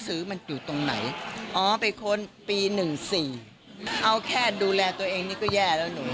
เอาแค่ดูแลตัวเองนี่ก็แย่แล้วหนู